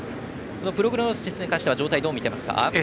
プログノーシスに関しては状態をどう見てますか。